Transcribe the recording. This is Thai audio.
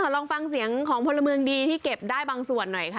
ลองฟังเสียงของพลเมืองดีที่เก็บได้บางส่วนหน่อยค่ะ